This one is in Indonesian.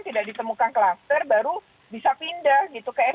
tidak ditemukan kluster baru bisa pindah gitu